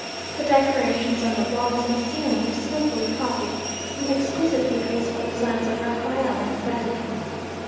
The decorations on the walls and ceiling were skilfully copied from the exquisitely graceful designs of Raphael in the Vatican.